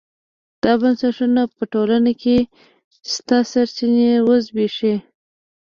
دا بنسټونه په ټولنه کې شته سرچینې وزبېښي.